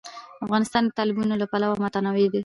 افغانستان د تالابونه له پلوه متنوع دی.